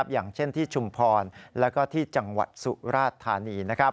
อย่างเช่นที่ชุมพรและที่จังหวัดสุราชธานี